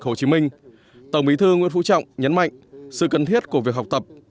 chủ tịch hồ chí minh tổng bí thư nguyễn phụ trọng nhấn mạnh sự cần thiết của việc học tập